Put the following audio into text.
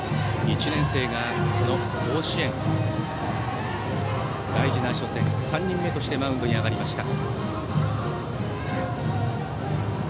１年生が、この甲子園大事な初戦、３人目としてマウンドに上がりました。